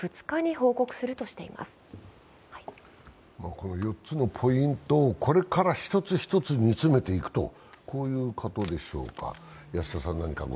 この４つのポイントをこれから一つ一つ煮詰めていくということでしょうか。